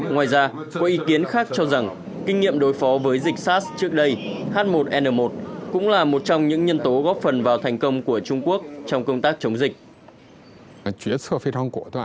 ngoài ra có ý kiến khác cho rằng kinh nghiệm đối phó với dịch sars trước đây h một n một cũng là một trong những nhân tố góp phần vào thành công của trung quốc trong công tác chống dịch